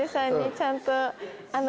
ちゃんと。